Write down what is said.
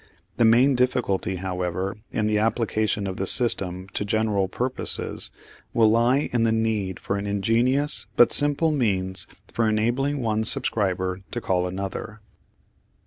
The main difficulty, however, in the application of the system to general purposes will lie in the need for an ingenious but simple means for enabling one subscriber to call another.